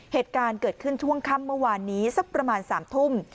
เหตุการณ์เกิดขึ้นช่วงค่ำเมื่อวานนี้สักประมาณ๓ทุ่ม